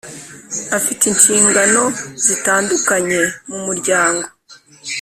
afite inshingano zitandukanye mu muryango